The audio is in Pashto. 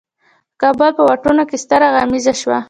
د کابل په واټونو کې ستره غمیزه شوه.